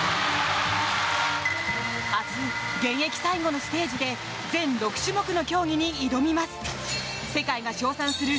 明日、現役最後のステージで全６種目の競技に挑みます。